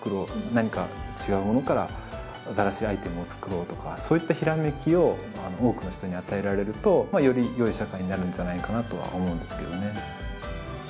何か違うものから新しいアイテムを作ろう」とかそういったひらめきを多くの人に与えられるとよりよい社会になるんじゃないかなとは思うんですけどね。